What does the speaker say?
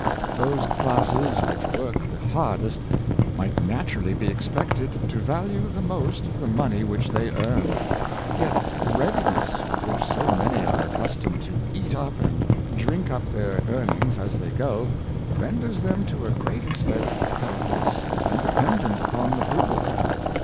Those classes which work the hardest might naturally be expected to value the most the money which they earn. Yet the readiness with which so many are accustomed to eat up and drink up their earnings as they go, renders them to a great ex tent helpless and dependent upon the frugal.